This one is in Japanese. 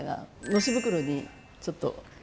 のし袋にちょっと入れて。